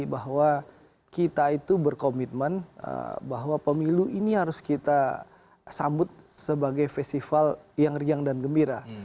bahwa kita itu berkomitmen bahwa pemilu ini harus kita sambut sebagai festival yang riang dan gembira